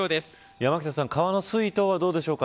山北さん、川の水位などはどうでしょうか。